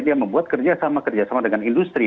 dia membuat kerjasama kerjasama dengan industri